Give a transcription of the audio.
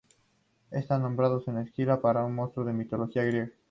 Está nombrado por Escila, un monstruo de la mitología griega.